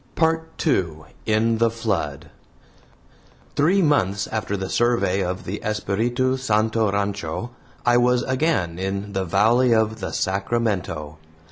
PART II IN THE FLOOD Three months after the survey of the Espiritu Santo Rancho, I was again in the valley of the Sacramento.